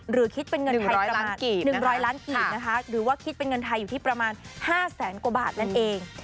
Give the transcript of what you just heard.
หรือคิดเป็นเงินไทยประมาณ๑๐๐ล้านขีดนะคะหรือว่าคิดเป็นเงินไทยอยู่ที่ประมาณ๕แสนกว่าบาทนั่นเอง